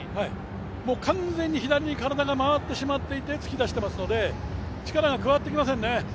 もう完全に左に体が回ってしまっていて突き出しているので、力がかかってきませんね。